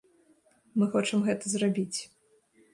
Мы хочам гэта зрабіць.